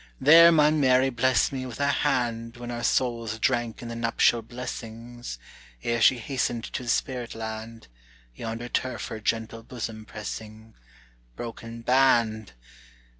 "There my Mary blessed me with her hand When our souls drank in the nuptial blessings, Ere she hastened to the spirit land, Yonder turf her gentle bosom pressing; Broken band!